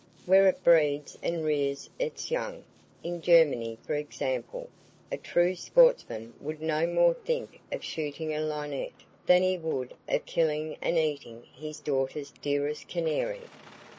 Where it breeds and rears its young, in Germany for example, a true sportsman would no more think of shooting a linnet than he would of killing and eating his daughter's dearest canary.